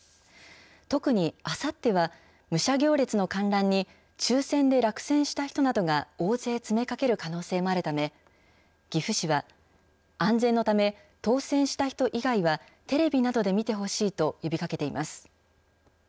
特にあさっては、武者行列の観覧に抽せんで落選した人などが大勢詰めかける可能性もあるため、岐阜市は安全のため、当せんした人以外は、テレビなどで見てほしいと呼びかけています。